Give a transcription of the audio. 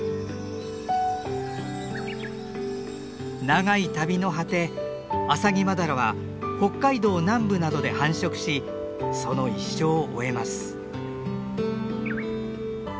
長い旅の果てアサギマダラは北海道南部などで繁殖しその一生を終えます。